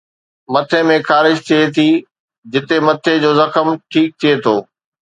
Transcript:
مٿي ۾ خارش ٿئي ٿي جتي مٿي جو زخم ٺيڪ ٿئي ٿو